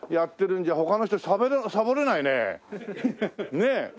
ねえ。